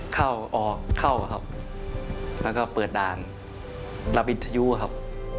เข้าออกเข้าครับแล้วก็เปิดด่านระวิทยุครับ